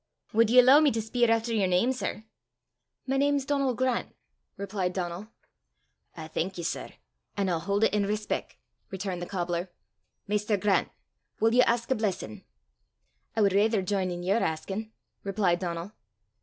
Wud ye alloo me to speir efter yer name, sir?" "My name's Donal Grant," replied Donal. "I thank ye, sir, an' I'll haud it in respec'," returned the cobbler. "Maister Grant, wull ye ask a blessin'?" "I wad raither j'in i' your askin'," replied Donal.